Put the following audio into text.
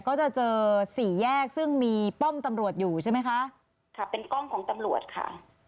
ก็จะเจอสี่แยกซึ่งมีป้อมตำรวจอยู่ใช่ไหมคะค่ะเป็นกล้องของตำรวจค่ะ